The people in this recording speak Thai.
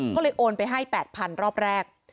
ก็เลยโอนไปให้๘๐๐๐รอบแรก